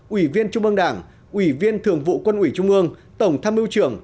ủy viên trung ương đảng ủy viên thường vụ quân ủy trung ương tổng tham mưu trưởng